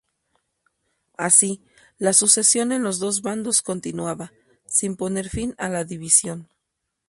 Así la sucesión en los dos bandos continuaba, sin poner fin a la división.